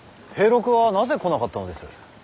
平六はなぜ来なかったのです。